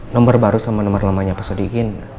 nomor baru sama nomor lamanya pesodiin